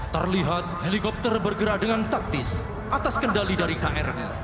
terlihat helikopter bergerak dengan taktis atas kendali dari krl